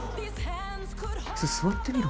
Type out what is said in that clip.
座ってみ！